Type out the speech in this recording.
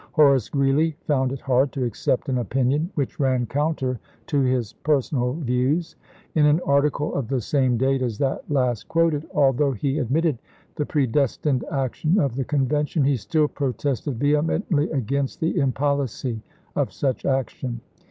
Horace Greeley found it hard to accept an opinion which ran counter to his personal views. June e, 1862. In an article of the same date as that last quoted, although he admitted the predestined action of the Convention, he still protested vehemently against the impolicy of such action.